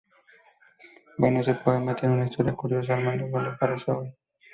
Bueno, ese poema tiene una historia curiosa, al menos me lo parece hoy.